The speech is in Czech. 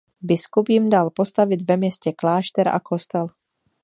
Biskup jim dal postavit ve městě klášter a kostel.